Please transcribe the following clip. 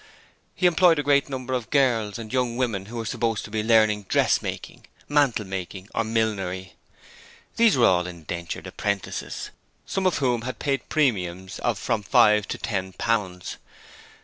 He employed a great number of girls and young women who were supposed to be learning dressmaking, mantle making or millinery. These were all indentured apprentices, some of whom had paid premiums of from five to ten pounds.